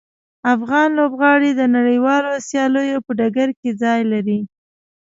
افغان لوبغاړي د نړیوالو سیالیو په ډګر کې ځای لري.